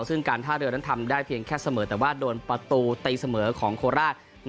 ซึ่งการท่าเรือนั้นทำได้เพียงแค่เสมอแต่ว่าโดนประตูตีเสมอของโคราช